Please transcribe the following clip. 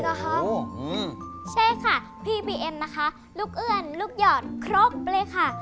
ใช่ค่ะพี่บีเอ็มนะคะลูกเอื้อนลูกหยอดครบเลยค่ะ